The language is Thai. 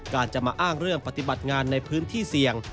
จะมาอ้างเรื่องปฏิบัติงานในพื้นที่เสี่ยง